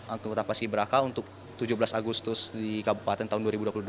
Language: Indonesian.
anggota paski beraka untuk tujuh belas agustus di kabupaten tahun dua ribu dua puluh dua